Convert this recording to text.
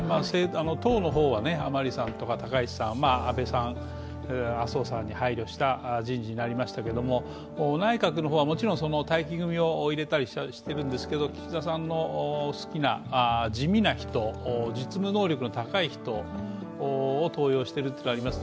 党の方は、甘利さんとか高市さん、安倍さんに配慮した人事になりましたけれども内閣の方はもちろん待機組を入れたりしてるんですけど岸田さんの好きな地味な人実務能力の高い人を登用しているというのがありますね。